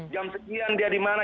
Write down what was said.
jam sekian dia di mana